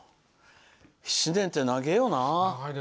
７年って、長えよな。